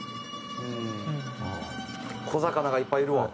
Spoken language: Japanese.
小魚がいっぱいいるわ。